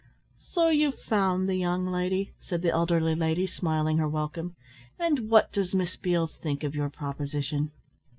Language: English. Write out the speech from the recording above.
"So you found the young lady," said the elderly lady, smiling her welcome, "and what does Miss Beale think of your proposition?"